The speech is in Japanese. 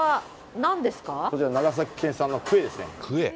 こちら、長崎県産のクエですね。